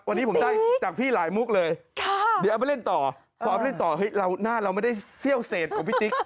วันนี้ผมได้จากพี่หลายมุกเลยเดี๋ยวเอาไปเล่นต่อฟอร์มเล่นต่อหน้าเราไม่ได้เสี้ยวเศษของพี่ติ๊ก